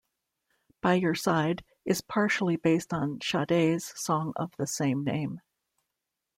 "By Your Side" is partially based on Sade's song of the same name.